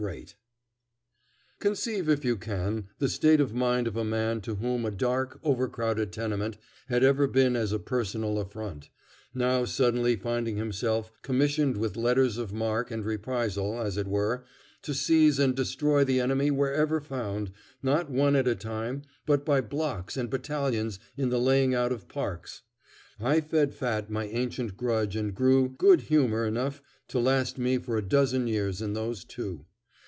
[Illustration: The Mott Street Barracks] Conceive, if you can, the state of mind of a man to whom a dark, overcrowded tenement had ever been as a personal affront, now suddenly finding himself commissioned with letters of marque and reprisal, as it were, to seize and destroy the enemy wherever found, not one at a time, but by blocks and battalions in the laying out of parks. I fed fat my ancient grudge and grew good humor enough to last me for a dozen years in those two.